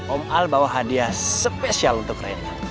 om al bawa hadiah spesial untuk rena